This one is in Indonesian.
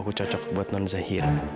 aku cocok buat non zahir